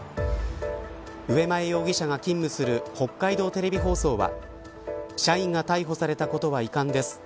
上前容疑者が勤務する北海道テレビ放送は社員が逮捕されたことは遺憾です。